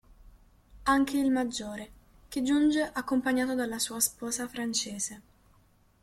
Anche il maggiore, che giunge accompagnato dalla sua sposa francese.